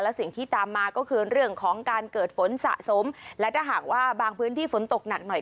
และสิ่งที่ตามมาก็คือเรื่องของการเกิดฝนสะสมและถ้าหากว่าบางพื้นที่ฝนตกหนักหน่อย